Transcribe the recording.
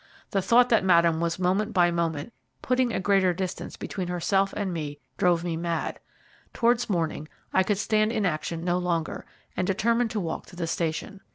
The thought that Madame was moment by moment putting a greater distance between herself and me drove me mad. Towards morning I could stand inaction no longer, and determined to walk to the station.